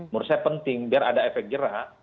menurut saya penting biar ada efek jerah